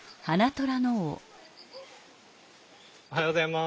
おはようございます。